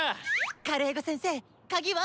カルエゴ先生カギは？